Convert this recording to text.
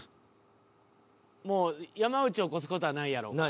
［もう山内を超す事はないやろうから］